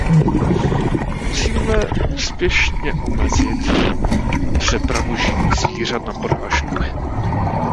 Musíme úspěšně omezit přepravu živých zvířat na porážku.